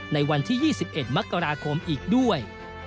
ในวันที่๒๑มกราคมอีกด้วย